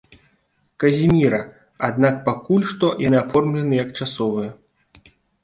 Казіміра, аднак пакуль што яны аформлены як часовыя.